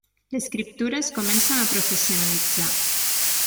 L'escriptura es comença a professionalitzar.